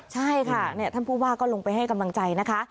ใช่ค่ะท่านผู้ว่าก็ลงไปให้กำลังใจนะคะ